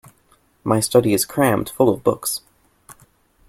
My study is crammed full of books.